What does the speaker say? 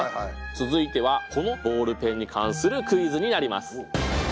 続いてはこのボールペンに関するクイズになります。